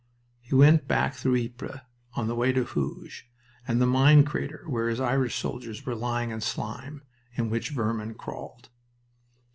He went back through Ypres on the way to Hooge, and the mine crater where his Irish soldiers were lying in slime, in which vermin crawled.